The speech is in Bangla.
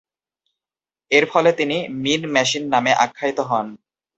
এরফলে তিনি ‘মিন মেশিন’ নামে আখ্যায়িত হন।